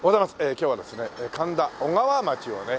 今日はですね神田小川町をね